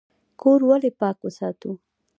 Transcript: کور ولې پاک وساتو؟